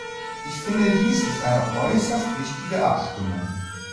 Ich finde, dies ist eine äußerst wichtige Abstimmung.